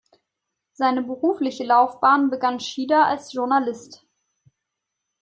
Seine berufliche Laufbahn begann Schieder als Journalist.